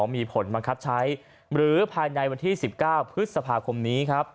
มีผลบังคับใช้หรือภายในวันที่๑๙พฤษภาคมนี้ครับ